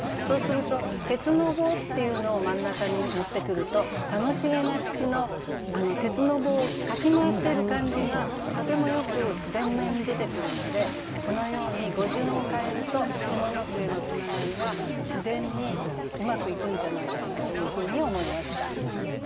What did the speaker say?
そうすると「鉄の棒」っていうのを真ん中に持ってくると楽しげな父の鉄の棒かき回してる感じがとてもよく前面に出てくるのでこのように語順を変えると下の句へのつながりが自然にうまくいくんじゃないかなというふうに思いました。